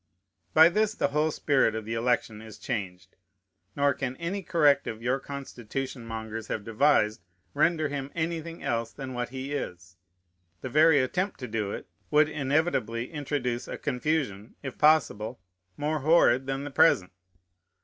By this the whole spirit of the election is changed; nor can any corrective your Constitution mongers have devised render him anything else than what he is. The very attempt to do it would inevitably introduce a confusion, if possible, more horrid than the present.